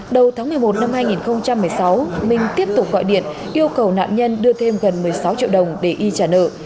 đầu tháng một mươi một năm hai nghìn một mươi sáu minh tiếp tục gọi điện yêu cầu nạn nhân đưa thêm gần một mươi sáu triệu đồng để y trả nợ